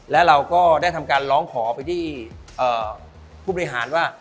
และเราก็ได้ทำการร้องขอไปที่ผู้บริหารว่า